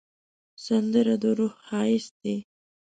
سندره د روح ښایست دی